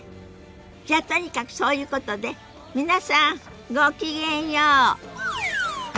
じゃとにかくそういうことで皆さんごきげんよう。